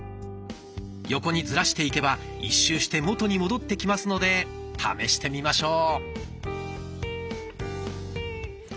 横にズラしていけば一周して元に戻ってきますので試してみましょう。